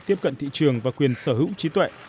tiếp cận thị trường và quyền sở hữu trí tuệ